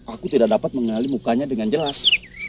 aku tidak dapat mengenali mukanya dengan jelas